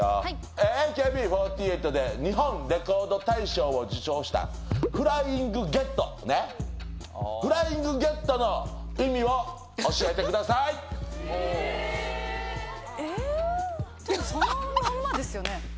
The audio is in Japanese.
ＡＫＢ４８で日本レコード大賞を受賞したフライングゲフライングゲットの意味を教えてくださええーそのまんまですよね？